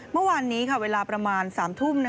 เมื่อวานนี้เวลาประมาณ๓ทุ่ม